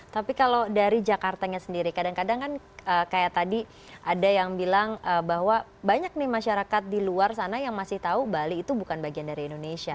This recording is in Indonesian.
tapi kalau dari jakartanya sendiri kadang kadang kan kayak tadi ada yang bilang bahwa banyak nih masyarakat di luar sana yang masih tahu bali itu bukan bagian dari indonesia